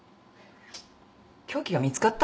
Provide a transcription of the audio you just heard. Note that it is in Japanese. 凶器が見つかった！？